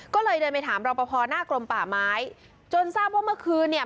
ก็เลยเดินไปถามรอปภหน้ากรมป่าไม้จนทราบว่าเมื่อคืนเนี่ย